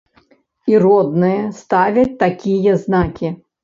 І родныя ставяць такія знакі.